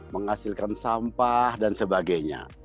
menghasilkan sampah dan sebagainya